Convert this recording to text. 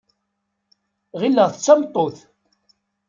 Ɣileɣ-t d tameṭṭut.